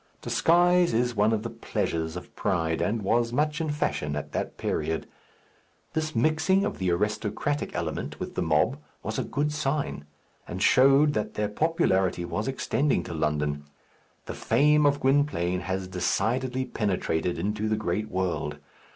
Disguise is one of the pleasures of pride, and was much in fashion at that period. This mixing of the aristocratic element with the mob was a good sign, and showed that their popularity was extending to London. The fame of Gwynplaine has decidedly penetrated into the great world.